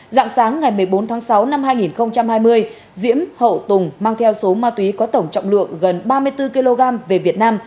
dạng sáng ngày một mươi bốn tháng sáu năm hai nghìn hai mươi diễm hậu tùng mang theo số ma túy có tổng trọng lượng gần ba mươi bốn kg về việt nam